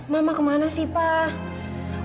mama kemana sih pak